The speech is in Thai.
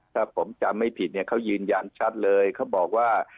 ถ้าผมจำไม่ผิดเนี่ยเขายืนยันชัดเลยเขาบอกว่า